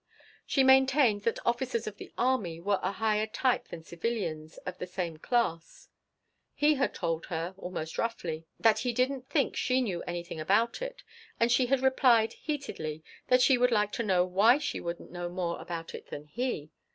She maintained that officers of the army were a higher type than civilians of the same class. He had told her, almost roughly, that he didn't think she knew anything about it, and she had replied, heatedly, that she would like to know why she wouldn't know more about it than he!